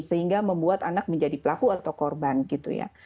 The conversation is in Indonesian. sehingga membuat anak menjadi pelaku atau korban gitu ya